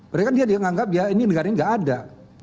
mereka kan dia yang nganggap ya ini negara ini nggak ada